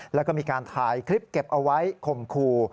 แล้วก็มีการถ่ายคลิปเก็บเอาไว้ข่มขู่